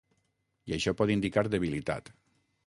I això pot indicar debilitat.